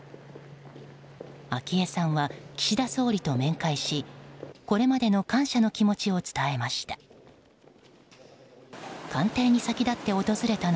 昭恵さんは岸田総理と面会しこれまでの感謝の気持ちを伝えました。